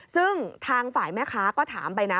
ซึ่งทางฝ่ายแม่ค้าก็ถามไปนะ